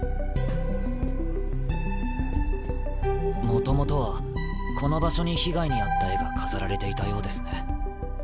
もともとはこの場所に被害に遭った絵が飾られていたようですね。